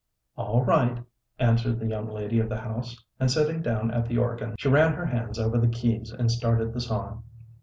'" "All right," answered the young lady of the house, and sitting down at the organ she ran her hands over the keys and started the song.